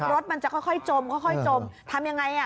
รถมันจะค่อยจมค่อยจมทำยังไงอ่ะ